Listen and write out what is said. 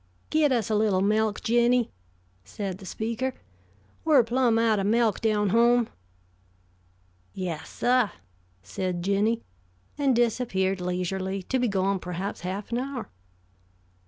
"Get us a little melk, Jinny," said the speaker. "We're plumb out o' melk down home." "Yessah," said Jinny, and disappeared leisurely, to be gone perhaps half an hour.